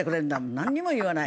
何にも言わない。